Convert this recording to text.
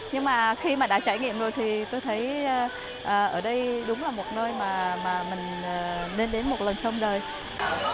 nhưng mà khi mà đã trải nghiệm rồi thì tôi thấy ở đây đúng là một nơi mà mình nên đến một lần trong đời